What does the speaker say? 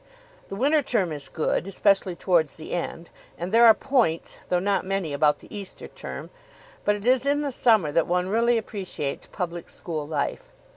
The winter term is good, especially towards the end, and there are points, though not many, about the Easter term: but it is in the summer that one really appreciates public school life.